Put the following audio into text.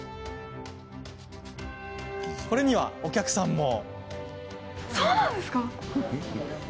これには、お客さんも。